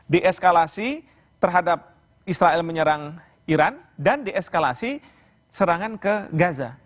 dieskalasi terhadap israel menyerang iran dan dieskalasi serangan ke gaza